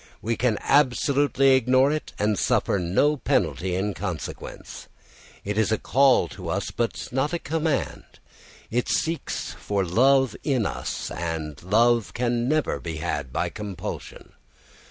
We can absolutely ignore it and suffer no penalty in consequence. It is a call to us, but not a command. It seeks for love in us, and love can never be had by compulsion.